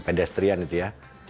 pedestrian itu ya